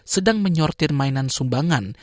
sedang menyortir mainan sumbangan